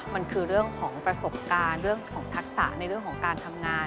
มันคือเรื่องของประสบการณ์เรื่องของทักษะในเรื่องของการทำงาน